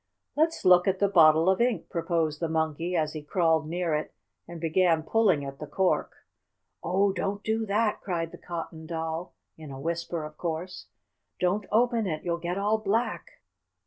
"Let's look in the bottle of ink," proposed the Monkey, as he crawled near it, and began pulling at the cork. "Oh, don't do that!" cried the Cotton Doll, in a whisper, of course. "Don't open it! You'll get all black!"